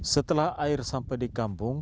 setelah air sampai di kampung